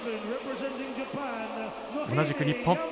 同じく日本。